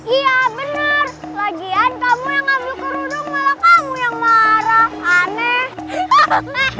iya bener lagian kamu yang ambil kerudung malah kamu yang marah aneh